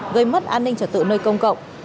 gây mất an ninh trợ tự nơi công cộng